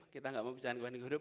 kita gak mau bicara lingkungan hidup